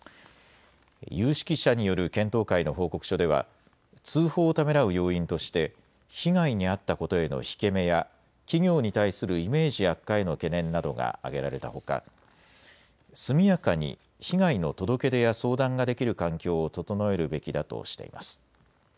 有識者による検討会の報告書では通報をためらう要因として被害に遭ったことへの引け目や企業に対するイメージ悪化への懸念などが挙げられたほか速やかに被害の届け出や相談ができる環境を整えるべきだとしています。